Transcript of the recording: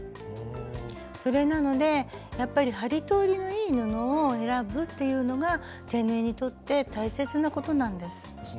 それなのでやっぱり針通りのいい布を選ぶっていうのが手縫いにとって大切なことなんです。